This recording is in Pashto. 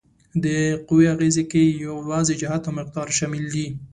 د قوې اغیزې کې یوازې جهت او مقدار شامل دي؟